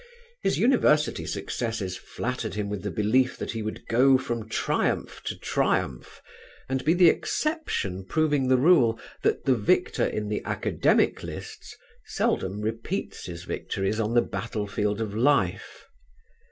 His University successes flattered him with the belief that he would go from triumph to triumph and be the exception proving the rule that the victor in the academic lists seldom repeats his victories on the battlefield of life.